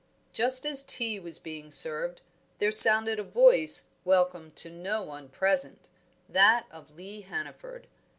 Just as tea was being served, there sounded a voice welcome to no one present, that of Lee Hannaford.